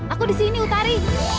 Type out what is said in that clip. aku di sini utari